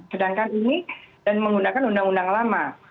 sedangkan ini dan menggunakan undang undang lama